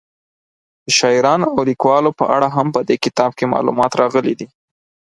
د شاعرانو او لیکوالو په اړه هم په دې کتاب کې معلومات راغلي دي.